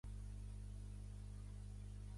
Es conserva a Madrid, al Museu Reina Sofia.